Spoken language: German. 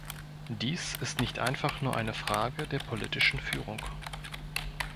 Dies ist nicht einfach nur eine Frage der politischen Führung.